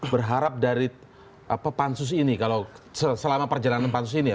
berharap dari pansus ini kalau selama perjalanan pansus ini ya